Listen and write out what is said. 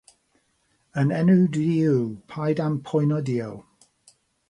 Yn enw Duw, paid â'm poenydio